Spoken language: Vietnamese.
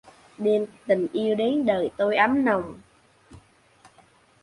Đem tình yêu đến đời tôi ấm nồng.